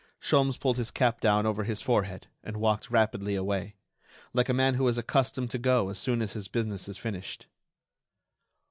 Sholmes pulled his cap down over his forehead and walked rapidly away, like a man who is accustomed to go as soon as his business is finished.